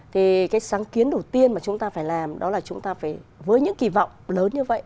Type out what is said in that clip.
thì cái sáng kiến đầu tiên mà chúng ta phải làm đó là chúng ta phải với những kỳ vọng lớn như vậy